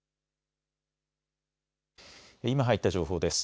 今入った情報です。